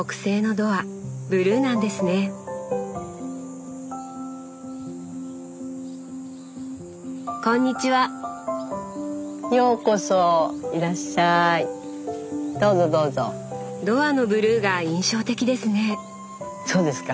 ドアのブルーが印象的ですね。